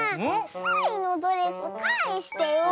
スイのドレスかえしてよ！